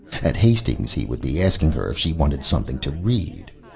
At Hastings he would be asking her if she wanted Something to Read.